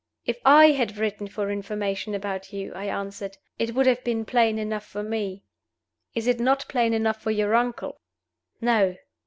"If I had written for information about you," I answered, "it would have been plain enough for me." "Is it not plain enough for your uncle?" "No."